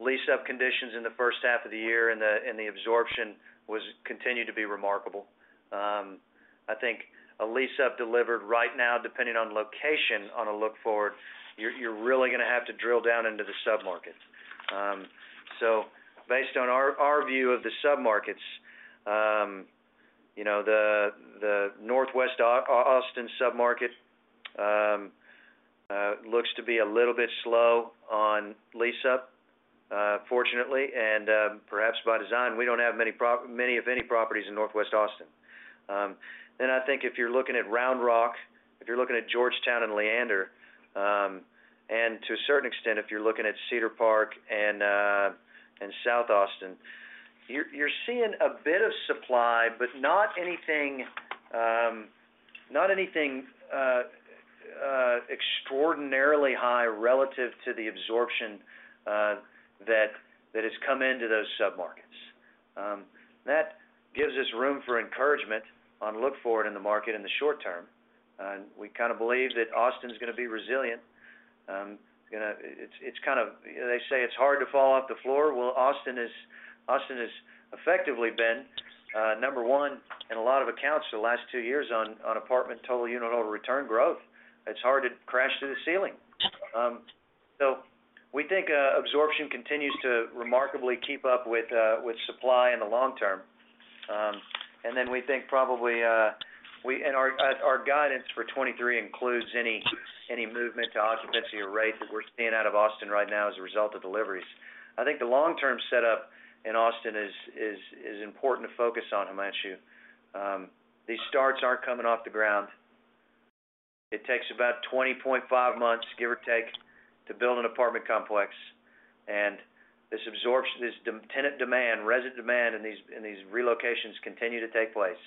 Lease-up conditions in the first half of the year and the absorption was continued to be remarkable. I think a lease-up delivered right now, depending on location on a look forward, you're really gonna have to drill down into the submarket. So based on our view of the submarkets, you know, the Northwest Austin submarket looks to be a little bit slow on lease-up, fortunately, and perhaps by design, we don't have many of any properties in Northwest Austin. I think if you're looking at Round Rock, if you're looking at Georgetown and Leander, and to a certain extent, if you're looking at Cedar Park and South Austin, you're seeing a bit of supply, but not anything extraordinarily high relative to the absorption that has come into those submarkets. That gives us room for encouragement on look-forward in the market in the short term. We kinda believe that Austin is gonna be resilient. You know, it's kind of They say it's hard to fall off the floor. Well, Austin has effectively been number one in a lot of accounts the last two years on apartment total unit over return growth. It's hard to crash through the ceiling. We think absorption continues to remarkably keep up with supply in the long term. We think probably our guidance for 23 includes any movement to occupancy or rate that we're seeing out of Austin right now as a result of deliveries. I think the long-term set up in Austin is important to focus on Himanshu. These starts aren't coming off the ground. It takes about 20.5 months, give or take, to build an apartment complex. This absorption, this tenant demand, resident demand in these relocations continue to take place.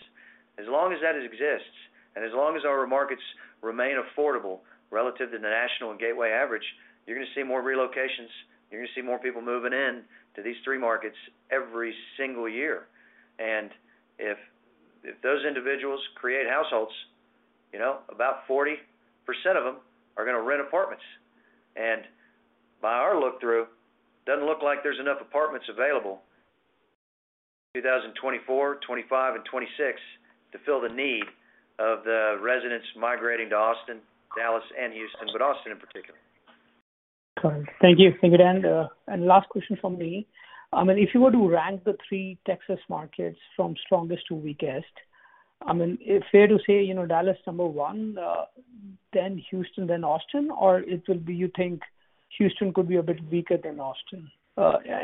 As long as that exists, and as long as our markets remain affordable relative to the national and gateway average, you're gonna see more relocations, you're gonna see more people moving in to these three markets every single year. If those individuals create households, you know, about 40% of them are gonna rent apartments. By our look through, it doesn't look like there's enough apartments available in 2024, 2025 and 2026 to fill the need of the residents migrating to Austin, Dallas and Houston, but Austin in particular. Thank you. Thank you, Dan. Last question from me. I mean, if you were to rank the three Texas markets from strongest to weakest, I mean, is it fair to say, you know, Dallas number one, then Houston, then Austin, or it will be you think Houston could be a bit weaker than Austin,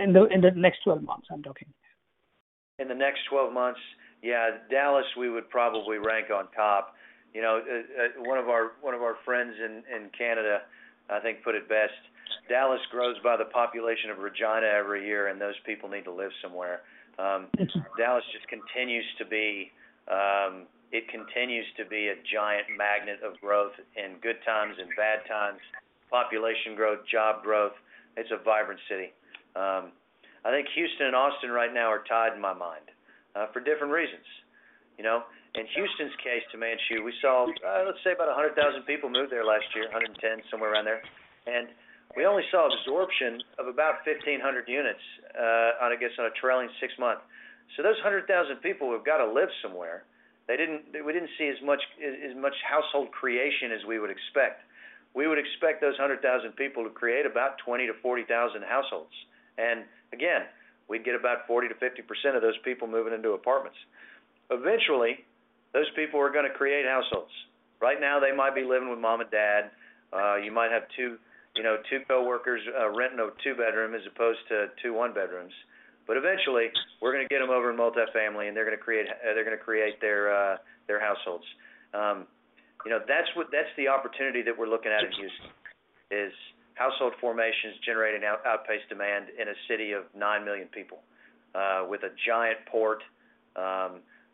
in the, in the next 12 months, I'm talking? In the next 12 months, yeah, Dallas, we would probably rank on top. You know, one of our friends in Canada, I think put it best. Dallas grows by the population of Regina every year, those people need to live somewhere. Yes, sir. Dallas just continues to be a giant magnet of growth in good times and bad times. Population growth, job growth. It's a vibrant city. I think Houston and Austin right now are tied in my mind for different reasons. You know, in Houston's case, to Manshu, we saw, let's say about 100,000 people move there last year, 110,000, somewhere around there. We only saw absorption of about 1,500 units on a trailing six months. Those 100,000 people who've got to live somewhere, we didn't see as much household creation as we would expect. We would expect those 100,000 people to create about 20,000-40,000 households. Again, we'd get about 40%-50% of those people moving into apartments. Eventually, those people are gonna create households. Right now, they might be living with mom and dad. You might have two, you know, two coworkers, renting a two-bedroom as opposed to two one-bedrooms. Eventually, we're gonna get them over in multifamily, and they're gonna create, they're gonna create their households. You know, that's the opportunity that we're looking at in Houston, is household formations generating outpaced demand in a city of 9 million people, with a giant port,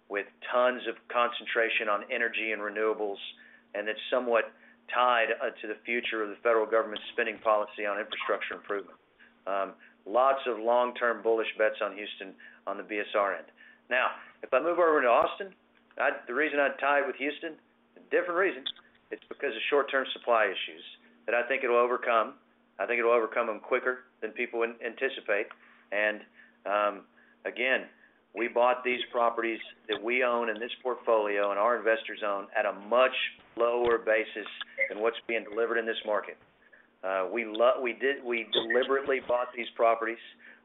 with tons of concentration on energy and renewables, and it's somewhat tied to the future of the Federal government's spending policy on infrastructure improvement. Lots of long-term bullish bets on Houston on the BSR end. Now, if I move over to Austin, the reason I'd tie it with Houston, different reasons, it's because of short-term supply issues that I think it'll overcome. I think it'll overcome them quicker than people anticipate. Again, we bought these properties that we own in this portfolio and our investors own at a much lower basis than what's being delivered in this market. We deliberately bought these properties.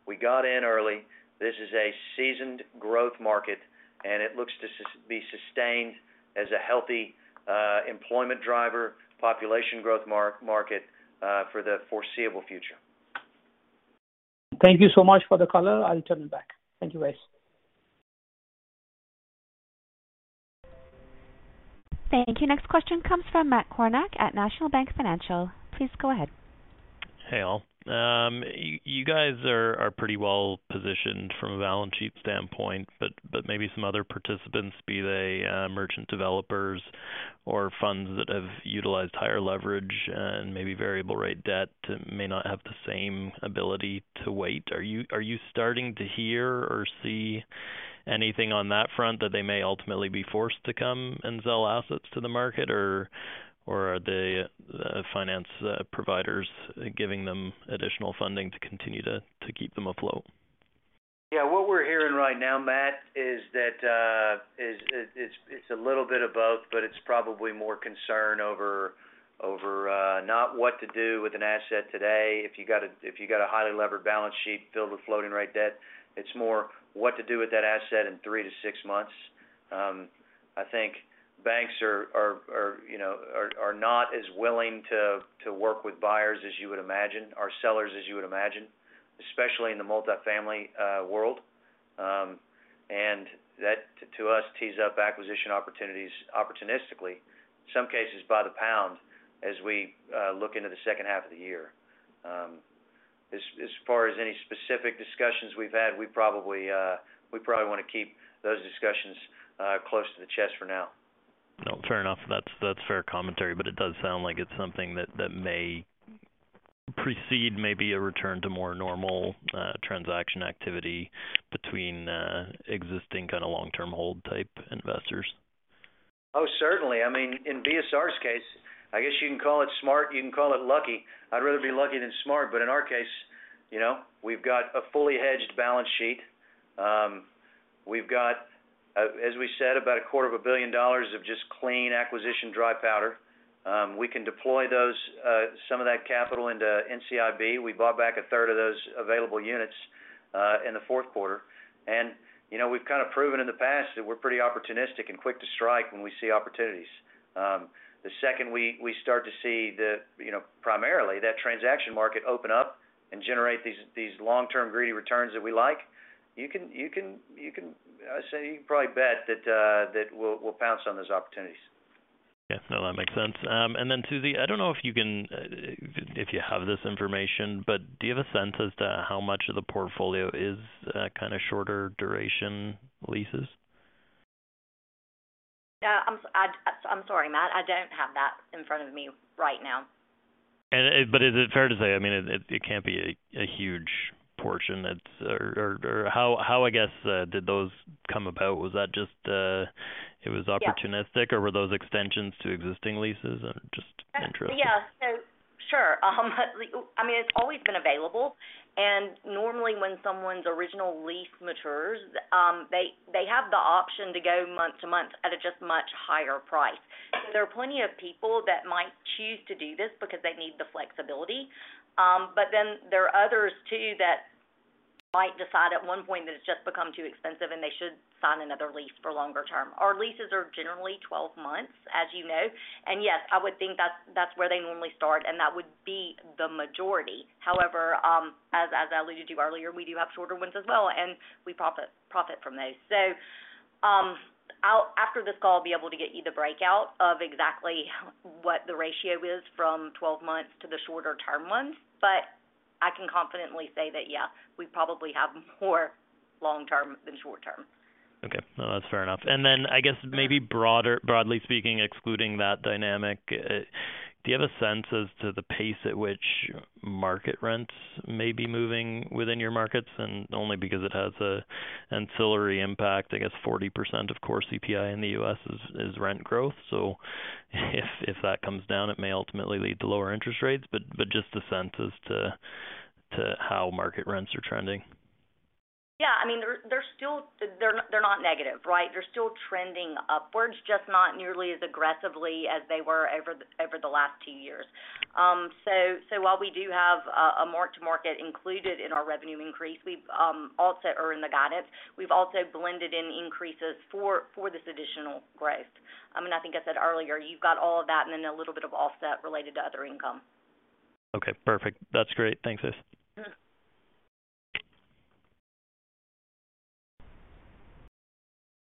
We got in early. This is a seasoned growth market, and it looks to be sustained as a healthy employment driver, population growth market for the foreseeable future. Thank you so much for the color. I'll turn it back. Thank you, guys. Thank you. Next question comes from Matt Kornack at National Bank Financial. Please go ahead. Hey, all. Maybe some other participants, be they merchant developers or funds that have utilized higher leverage and maybe variable rate debt may not have the same ability to wait. Are you starting to hear or see anything on that front that they may ultimately be forced to come and sell assets to the market or are they finance providers giving them additional funding to continue to keep them afloat? Yeah. What we're hearing right now, Matt, is that it's a little bit of both, but it's probably more concern over not what to do with an asset today. If you got a highly levered balance sheet filled with floating rate debt, it's more what to do with that asset in three to six months. I think banks are, you know, are not as willing to work with buyers as you would imagine, or sellers as you would imagine, especially in the multifamily world. That to us tees up acquisition opportunities opportunistically, some cases by the pound, as we look into the second half of the year. As far as any specific discussions we've had, we probably want to keep those discussions close to the chest for now. No, fair enough. That's fair commentary, but it does sound like it's something that may precede maybe a return to more normal transaction activity between existing kind of long-term hold type investors. Oh, certainly. I mean, in BSR's case, I guess you can call it smart, you can call it lucky. I'd rather be lucky than smart. In our case, you know, we've got a fully hedged balance sheet. We've got, as we said, about a quarter of a billion dollars of just clean acquisition dry powder. We can deploy those, some of that capital into NCIB. We bought back a third of those available units in the fourth quarter. You know, we've kind of proven in the past that we're pretty opportunistic and quick to strike when we see opportunities. The second we start to see the, you know, primarily that transaction market open up and generate these long-term greedy returns that we like, you can probably bet that we'll pounce on those opportunities. Yeah. No, that makes sense. Susie, I don't know if you have this information, but do you have a sense as to how much of the portfolio is kind of shorter duration leases? Yeah. I'm sorry, Matt, I don't have that in front of me right now. Is it fair to say, I mean, it can't be a huge portion that's. How, I guess, did those come about? Was that just? Yeah. opportunistic, or were those extensions to existing leases? I'm just interested. Yeah. Sure. I mean, it's always been available. Normally, when someone's original lease matures, they have the option to go month to month at a just much higher price. There are plenty of people that might choose to do this because they need the flexibility. There are others too, that Might decide at one point that it's just become too expensive and they should sign another lease for longer term. Our leases are generally 12 months, as you know. Yes, I would think that's where they normally start, and that would be the majority. However, as I alluded to earlier, we do have shorter ones as well, and we profit from those. After this call, I'll be able to get you the breakout of exactly what the ratio is from 12 months to the shorter term ones. I can confidently say that yeah, we probably have more long-term than short term. Okay. No, that's fair enough. I guess maybe broader, broadly speaking, excluding that dynamic, do you have a sense as to the pace at which market rents may be moving within your markets? Only because it has a ancillary impact, I guess 40% of core CPI in the U.S. is rent growth. If that comes down, it may ultimately lead to lower interest rates. Just a sense as to how market rents are trending. Yeah, I mean, they're still. They're not negative, right? They're still trending upwards, just not nearly as aggressively as they were over the last two years. While we do have a mark-to-market included in our revenue increase, we've also are in the guidance. We've also blended in increases for this additional growth. I mean, I think I said earlier, you've got all of that and then a little bit of offset related to other income. Okay, perfect. That's great. Thanks, guys.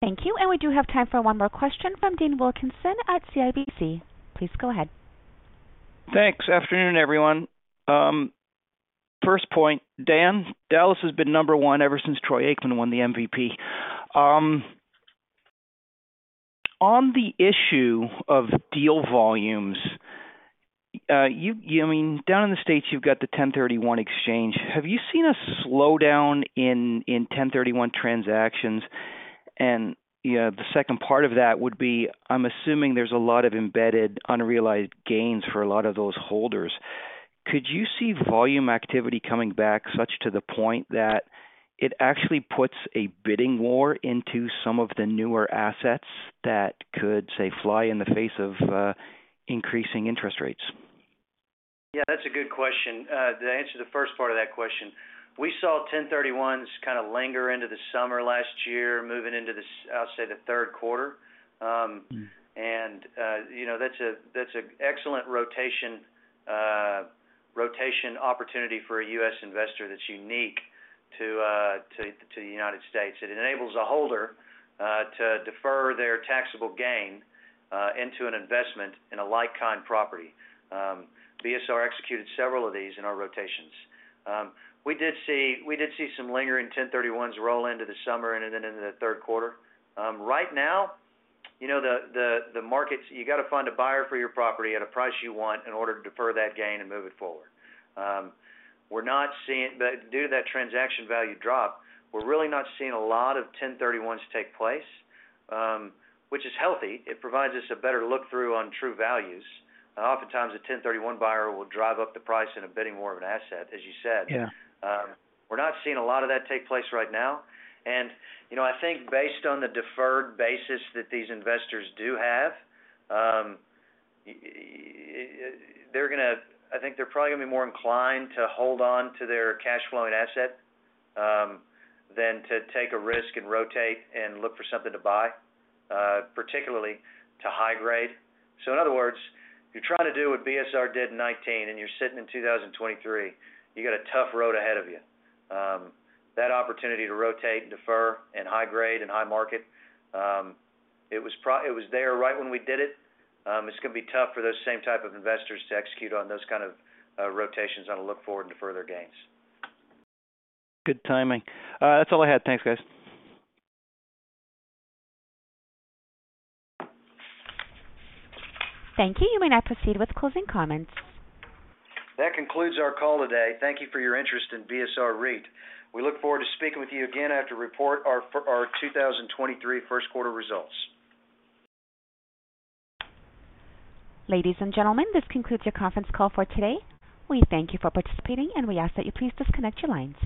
Thank you. We do have time for one more question from Dean Wilkinson at CIBC. Please go ahead. Thanks. Afternoon, everyone. first point, Dan, Dallas has been number one ever since Troy Aikman won the MVP. on the issue of deal volumes, you know, I mean, down in the States, you've got the 1031 exchange. Have you seen a slowdown in 1031 transactions? you know, the second part of that would be, I'm assuming there's a lot of embedded unrealized gains for a lot of those holders. Could you see volume activity coming back such to the point that it actually puts a bidding war into some of the newer assets that could, say, fly in the face of increasing interest rates? Yeah, that's a good question. To answer the first part of that question. We saw 1031s kind of linger into the summer last year, moving into the third quarter. You know, that's an excellent rotation opportunity for a U.S. investor that's unique to the United States. It enables a holder to defer their taxable gain into an investment in a like-kind property. BSR executed several of these in our rotations. We did see some lingering 1031s roll into the summer and then into the third quarter. Right now, you know, the markets, you gotta find a buyer for your property at a price you want in order to defer that gain and move it forward. Due to that transaction value drop, we're really not seeing a lot of 1031s take place, which is healthy. It provides us a better look-through on true values. Oftentimes a 031 buyer will drive up the price in a bidding war of an asset, as you said. Yeah. We're not seeing a lot of that take place right now. You know, I think based on the deferred basis that these investors do have. I think they're probably gonna be more inclined to hold on to their cash flowing asset than to take a risk and rotate and look for something to buy, particularly to high grade. In other words, you try to do what BSR did in 2019 and you're sitting in 2023, you got a tough road ahead of you. That opportunity to rotate, defer, and high grade and high market, it was there right when we did it. It's gonna be tough for those same type of investors to execute on those kind of rotations on a look forward to further gains. Good timing. That's all I had. Thanks, guys. Thank you. You may now proceed with closing comments. That concludes our call today. Thank you for your interest in BSR REIT. We look forward to speaking with you again after we report our 2023 first quarter results. Ladies and gentlemen, this concludes your conference call for today. We thank you for participating, and we ask that you please disconnect your lines.